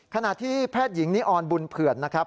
ขณะที่แพทย์หญิงนิออนบุญเผื่อนนะครับ